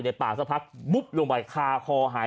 แต้คายใจได้ลูกโอมถ้ากลายไป